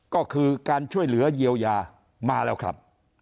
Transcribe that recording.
ก็คือการช่วยเหลือเยียวยามาแล้วครับ